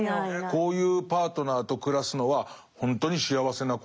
こういうパートナーと暮らすのはほんとに幸せなことだと思う。